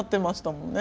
もんね